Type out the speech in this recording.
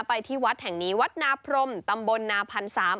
ที่วัดแห่งนี้วัดนาพรมตำบลนาพันธ์สาม